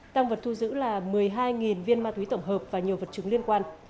tăng vật thu giữ là một mươi hai viên ma túy tổng hợp và nhiều vật chứng liên quan